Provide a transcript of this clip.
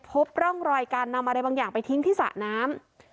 พบร่องรอยการนำอะไรบางอย่างไปทิ้งที่สระน้ำ